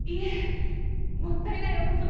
もったいないお言葉を。